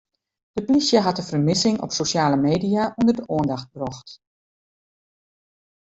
De plysje hat de fermissing op sosjale media ûnder de oandacht brocht.